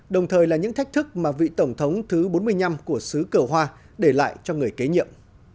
đồng thời là những thách thức mà vị tổng thống thứ bốn mươi năm của xứ cờ hoa để lại cho người kế nhiệm